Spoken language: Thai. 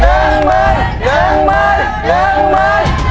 หนึ่งหมด